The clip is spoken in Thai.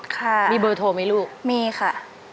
ค่ะมีเบอร์โทรไหมลูกมีค่ะ